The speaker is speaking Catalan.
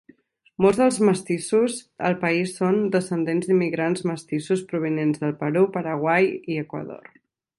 Molts dels mestissos al país són descendents d'immigrants mestissos provinents del Perú, Paraguai i Equador.